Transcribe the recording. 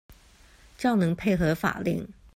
較能配合法令